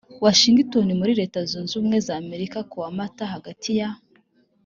washingitoni muri leta zunze ubumwe za amerika kuwa mata hagati ya